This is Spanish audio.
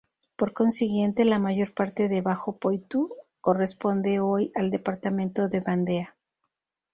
Por consiguiente, la mayor parte de Bajo-Poitú corresponde hoy al departamento de Vandea.